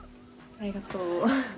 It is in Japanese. ありがとう。